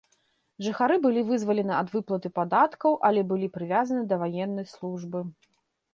Жыхары былі вызвалены ад выплаты падаткаў, але былі прывязаны да ваеннай службы.